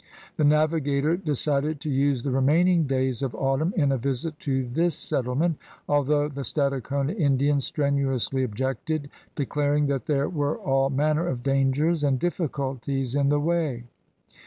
The navigator decided to use the remaining days of autumn in a visit to this settlement, although the Stadacona Indians strenuously objected, declaring that there were all manner of dangers and di£Sculties in the wfiy.